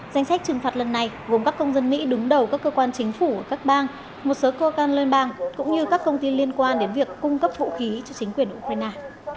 danh sách trừng phạt lần này gồm các công dân mỹ đứng đầu các cơ quan chính phủ các bang một số cơ quan liên bang cũng như các công ty liên quan đến việc cung cấp vũ khí cho chính quyền ukraine